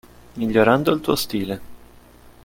Migliorando il tuo stile.